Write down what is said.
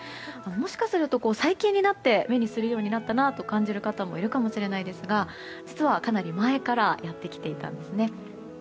もしかすると最近になって目にするようになったなと感じる方もいるかもしれないですが実は、かなり前からやってきていたんですね。